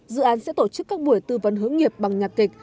dự án sẽ tổ chức các buổi tư vấn hướng nghiệp bằng nhạc kịch